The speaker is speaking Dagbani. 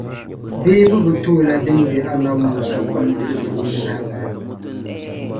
Bee bɛ bi ti o la din be Anabi Musa kundili puuni lahibali?